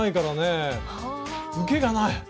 受けがない！